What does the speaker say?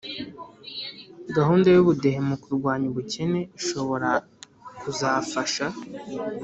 gahunda y'ubudehe mu kurwanya ubukene ishobora kuzafasha